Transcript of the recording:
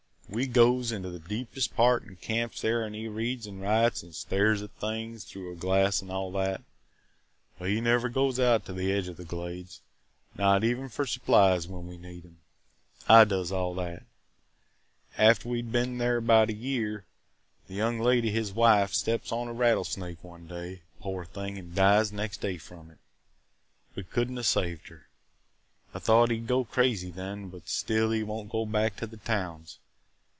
"We goes into the deepest part an' camps there an' he reads an' writes an' stares at things through a glass an' all that, but he never goes out to the edge of the Glades, not even for supplies when we need 'em. I does all that. After we 'd been there 'bout a year, the young lady, his wife, steps on a rattlesnake one day, poor thing, an' dies next day from it. We could n't save her. I thought he 'd go crazy then. But still he won't go back to the towns.